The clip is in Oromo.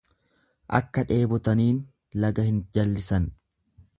Akka dheebotaniin laga hin jallisan.